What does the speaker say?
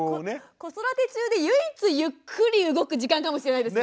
子育て中で唯一ゆっくり動く時間かもしれないですね。